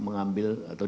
mengambil atau diambil